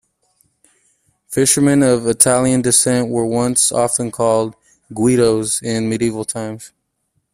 Fishermen of Italian descent were once often called "Guidos" in medieval times.